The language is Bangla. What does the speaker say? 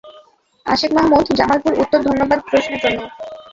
আশেক মাহমুদ, জামালপুর উত্তর ধন্যবাদ প্রশ্নের জন্য।